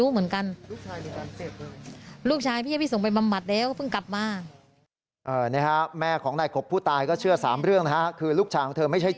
แม่ของนายกบผู้ตายก็เชื่อ๓เรื่องนะครับ